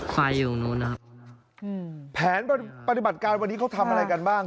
ไฟอยู่ตรงนู้นนะครับแผนปฏิบัติการวันนี้เขาทำอะไรกันบ้าง